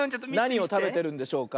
なにをたべてるんでしょうか？